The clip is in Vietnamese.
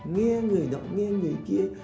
nghe người đó nghe người kia